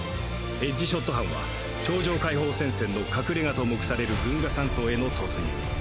エッジショット班は超常解放戦線の隠れ家と目される群訝山荘への突入。